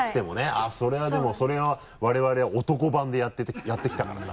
あぁそれはでもそれは我々男版でやってきたからさ。